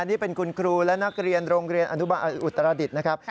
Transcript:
นี่เป็นคุณครูและนักเรียนโรงเรียนอนุบาลอุตรดิษฐ์นะครับ